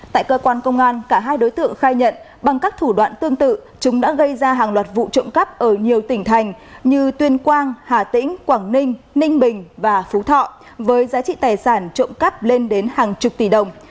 tại cơ quan công an cả hai đối tượng khai nhận bằng các thủ đoạn tương tự chúng đã gây ra hàng loạt vụ trộm cắp ở nhiều tỉnh thành như tuyên quang hà tĩnh quảng ninh ninh bình và phú thọ với giá trị tài sản trộm cắp lên đến hàng chục tỷ đồng